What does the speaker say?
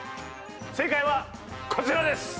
正解はこちらです。